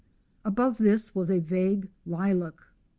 Above this was a vague lilac.